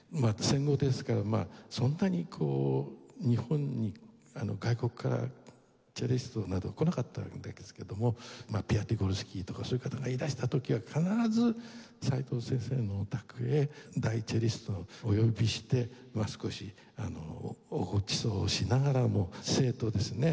戦後ですからそんなに日本に外国からチェリストなど来なかったんですけどもピアティゴルスキーとかそういう方がいらした時は必ず齋藤先生のお宅へ大チェリストをお呼びして少しごちそうをしながらも生徒ですね